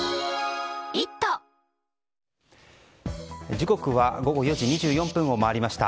時刻は午後４時２４分を回りました。